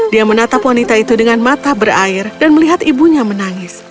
dia menatap wanita itu dengan mata berair dan melihat ibunya menangis